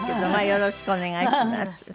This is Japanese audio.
よろしくお願いします。